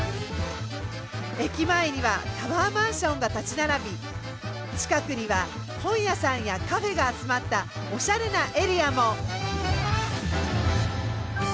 駅前にはタワーマンションが立ち並び近くには本屋さんやカフェが集まったおしゃれなエリアも。